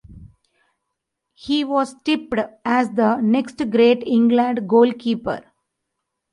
He was tipped as the next great England goalkeeper.